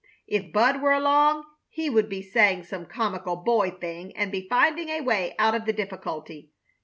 If Bud were along he would be saying some comical boy thing, and be finding a way out of the difficulty.